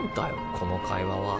この会話は？